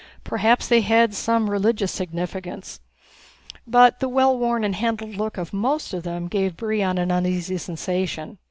Perhaps they had some religious significance. But the well worn and handled look of most of them gave Brion an uneasy sensation.